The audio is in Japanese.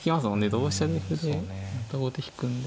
同飛車で歩でまた後手引くんで。